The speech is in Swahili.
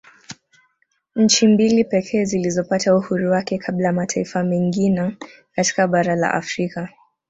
Nchi mbili pekee zilizopata uhuru wake kabla ya mataifa mengina katika bara la Afrika